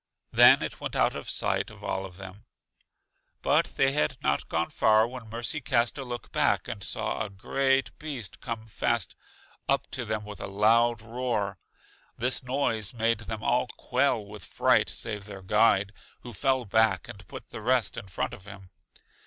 Then it went out of sight of all of them. But they had not gone far when Mercy cast a look back, and saw a great beast come fast up to them with a loud roar. This noise made them all quail with fright save their guide, who fell back and put the rest in front of him.